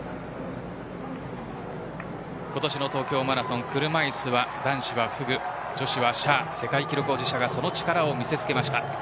今年の東京マラソン車いすは男子はフグ女子はシャー世界記録保持者が力を見せつけました。